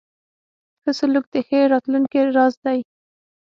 ښه سلوک د ښې راتلونکې راز دی.